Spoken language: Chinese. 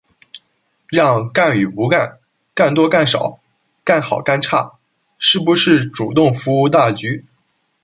让干与不干、干多干少、干好干差、是不是主动服务大局、